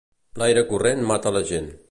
L'aire corrent mata la gent.